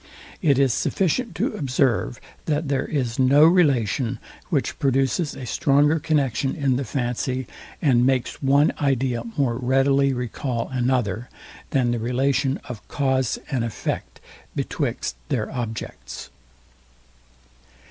It is sufficient to observe, that there is no relation, which produces a stronger connexion in the fancy, and makes one idea more readily recall another, than the relation of cause and effect betwixt their objects.